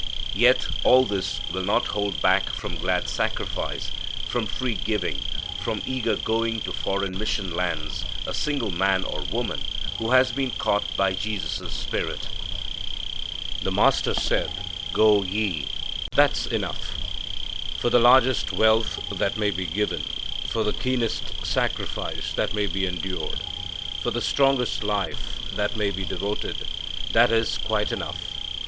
Yet all this will not hold back from glad sacrifice, from free giving, from eager going to foreign mission lands a single man or woman who has been caught by Jesus' Spirit. The Master said, "Go ye." That's enough. For the largest wealth that may be given, for the keenest sacrifice that may be endured, for the strongest life that may be devoted that is quite enough.